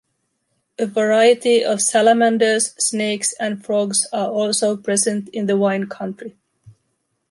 A variety of salamanders, snakes and frogs are also present in the Wine Country.